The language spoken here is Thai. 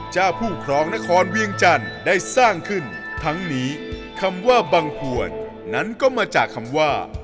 ผู้ครองนครเวียงจันทร์ได้สร้างขึ้นทั้งนี้คำว่าบังหวนนั้นก็มาจากคำว่า